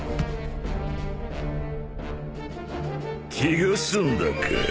気が済んだか？